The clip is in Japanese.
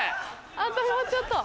あともうちょっと。